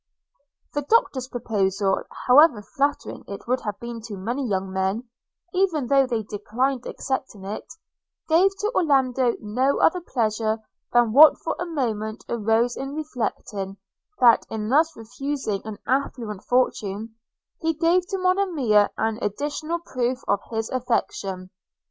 The Doctor's proposal, however flattering it would have been to many young men, even though they declined accepting it, gave to Orlando no other pleasure than what for a moment arose in reflecting, that, in thus refusing an affluent fortune, he gave to Monimia an additional proof of his affection.